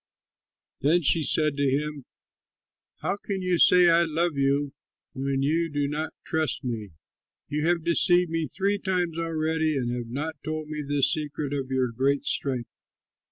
Then she said to him, "How can you say, 'I love you,' when you do not trust me? You have deceived me three times already and have not told me the secret of your great strength."